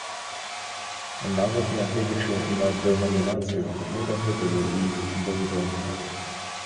Нават нягледзячы на дэнамінацыю, мы дагэтуль у іх блытаемся.